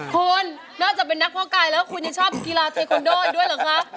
คุณน่าจะเป็นนักพ่อกายแล้วคุณยังชอบกีฬาเทคโนด้อยด้วยหรอครับ